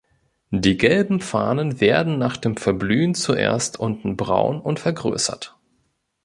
Die gelben Fahnen werden nach dem Verblühen zuerst unten braun und vergrößert.